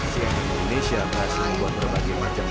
cnn indonesia berhasil membuat berbagai macam